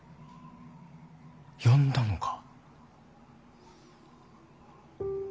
呼んだのか。